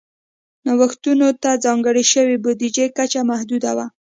نوښتونو ته ځانګړې شوې بودیجې کچه محدوده وه.